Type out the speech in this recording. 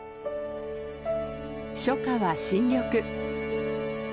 初夏は新緑。